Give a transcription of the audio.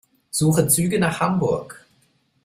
Suche Züge nach Hamburg.